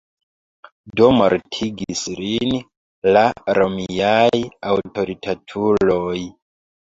Do mortigis lin la romiaj aŭtoritatuloj.